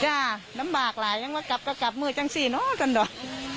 จ้าลำบากหลายยังว่ากลับก็กลับเมื่อจังสีเนอะกันด่วน